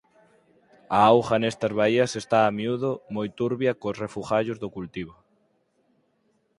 A auga nestas baías está a miúdo moi turbia cos refugallos do cultivo.